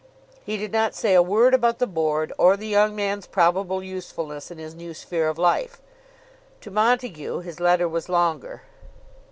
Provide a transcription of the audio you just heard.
He did not say a word about the Board, or the young man's probable usefulness in his new sphere of life. To Montague his letter was longer.